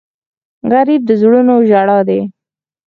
غریب د زړونو ژړا دی